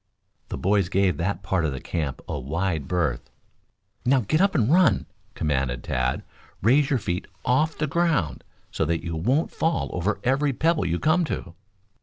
The boys gave that part of the camp a wide berth. "Now get up and run!" commanded Tad. "Raise your feet off the ground, so that you won't fall over every pebble you come to."